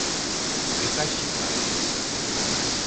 — Приказчиклан.